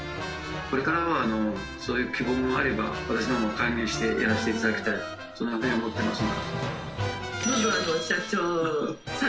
これからはそういう希望があれば私ども歓迎してやらせて頂きたいそんなふうに思ってますが。